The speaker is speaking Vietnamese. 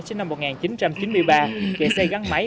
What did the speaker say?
sinh năm một nghìn chín trăm chín mươi ba về xây gắn máy